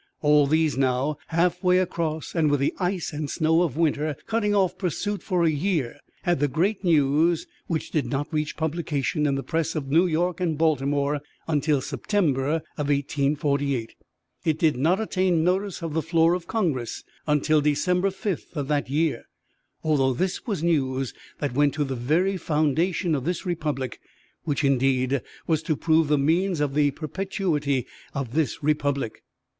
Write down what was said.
All these now, half way across, and with the ice and snow of winter cutting off pursuit for a year, had the great news which did not reach publication in the press of New York and Baltimore until September of 1848. It did not attain notice of the floor of Congress until December fifth of that year, although this was news that went to the very foundation of this republic; which, indeed, was to prove the means of the perpetuity of this republic.